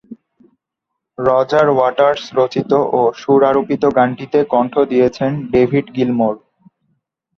Roger Waters রচিত ও সুরারোপিত গানটিতে কণ্ঠ দিয়েছেন ডেভিড গিলমোর।